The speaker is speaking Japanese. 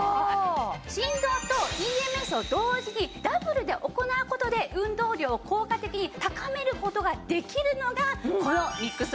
振動とＥＭＳを同時にダブルで行う事で運動量を効果的に高める事ができるのがこのミックス